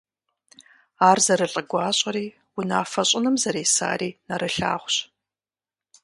Ар зэрылӀыгуащӀэри, унафэ щӀыным зэресари нэрылъагъущ.